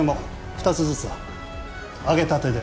２つずつだ揚げたてで。